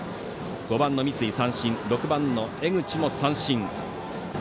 ５番、三井が三振６番、江口も三振。